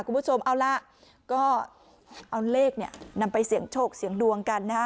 คุณผู้ชมเอาล่ะก็เอาเลขเนี่ยนำไปเสี่ยงโชคเสี่ยงดวงกันนะฮะ